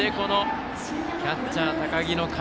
キャッチャー高木の肩。